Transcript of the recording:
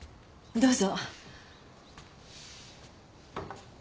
どうぞ。